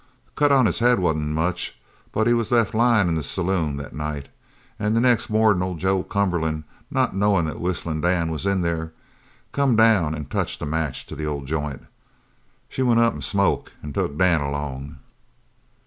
"The cut on his head wasn't much, but he was left lyin' in the saloon that night, an' the next mornin' old Joe Cumberland, not knowin' that Whistlin' Dan was in there, come down an' touched a match to the old joint. She went up in smoke an' took Dan along."